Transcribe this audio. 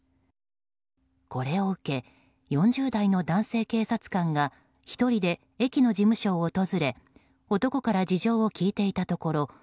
これを受け４０代の男性警察官が１人で駅の事務所を訪れ男から事情を聴いていたところ